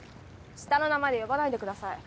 下の名前で呼ばないでください。